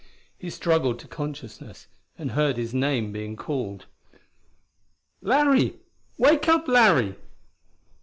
He struggled to consciousness, and heard his name being called. "Larry! Wake up, Larry!"